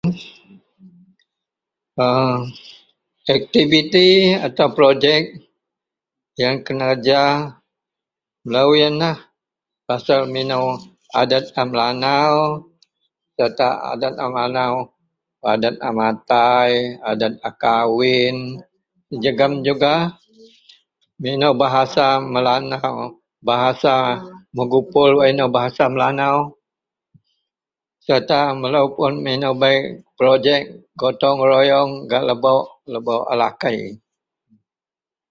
...[aaa]...Aktibiti atau projek yang kenerja loyenlah pasel meno adet a melanau, serta adet a melanau, adet a matai adet a kawin jegum juga meno bahasa melanau bahasa mengumpul wak eno bahasa melanau serta melo puon meno bei projek gotong-royong gak lebok a lakei.